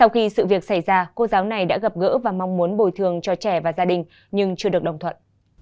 khi sự việc xảy ra cô giáo này đã gặp gỡ và mong muốn bồi thường cho trẻ và gia đình nhưng chưa được đồng thuận